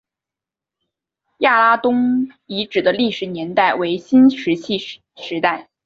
亚拉东遗址的历史年代为新石器时代。